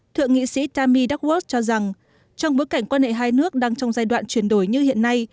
thượng nghị sĩ tami dackworth cho rằng trong bối cảnh quan hệ hai nước đang trong giai đoạn chuyển đổi như hiện nay